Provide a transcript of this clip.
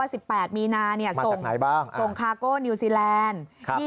ว่า๑๘มีนาส่งคาร์โก้นิวซีแลนด์